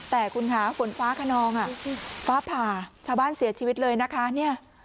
แต่คุณคะฝนฟ้าขนองอ่ะฟ้าผ่าชาวบ้านเสียชีวิตเลยนะคะเนี่ย